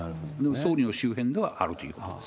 総理の周辺ではあるということです。